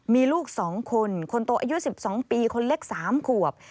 มีลูก๒คนคนโตอายุ๑๒ปีคนเล็ก๓ขวบ